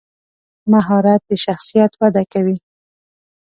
مهارت د شخصیت وده کوي.